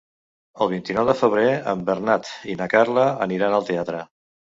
El vint-i-nou de febrer en Bernat i na Carla aniran al teatre.